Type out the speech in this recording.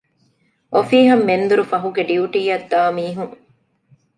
އޮފީހަށް މެންދުރުފަހުގެ ޑިޔުޓީއަށް ދާމީހުން